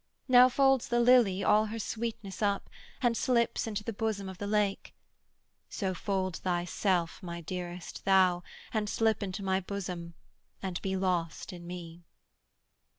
Now folds the lily all her sweetness up, And slips into the bosom of the lake: So fold thyself, my dearest, thou, and slip Into my bosom and be lost in me.'